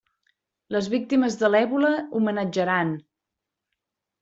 Les víctimes de l'èbola, homenatjaran!